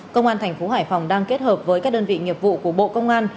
công an thành phố hải phòng đang kết hợp với các đơn vị nghiệp vụ của bộ công an